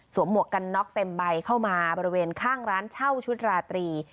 หมวกกันน็อกเต็มใบเข้ามาบริเวณข้างร้านเช่าชุดราตรี